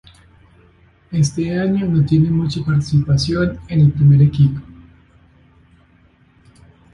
Ese año no tiene mucha participación en el primer equipo.